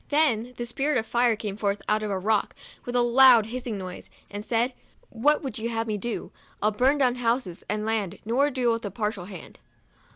Then the Spirit of Fire came forth out of a rock with a loud hissing noise, and said " What would ye have me do % I'll burn down houses and land, nor deal with a partial hand."